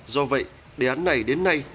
do vậy đề án này